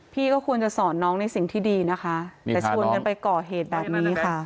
พี่ก็ควรจะสอนน้องในสิ่งที่ดีนะคะแต่ชวนกันไปก่อเหตุแบบนี้ค่ะ